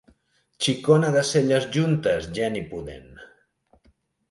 Xicona de celles juntes, geni pudent.